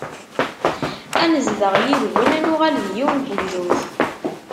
Ad nezdeɣ yid-wen, ad nuɣal d yiwen n ugdud.